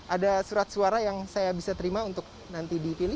ada surat suara yang saya bisa terima untuk nanti dipilih